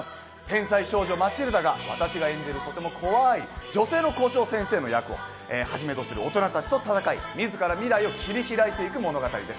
天才少女・マチルダが、私が演じる、とても怖い女性の校長先生の役をはじめとする大人たちと闘い、自ら未来を切り開いていく物語です。